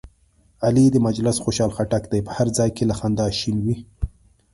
علي د مجلس خوشحال خټک دی، په هر ځای کې له خندا شین وي.